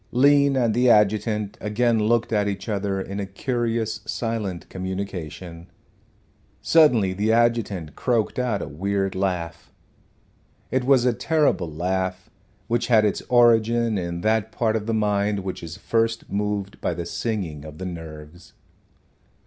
Lean and the adjutant again looked at each other in a curious silent communication. Suddenly the adjutant croaked out a weird laugh. It was a terrible laugh, which had its origin in that part of the mind which is first moved by the singing of the nerves.